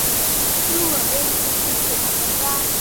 Lúc nửa đêm tự nhiên cửa bị bật ra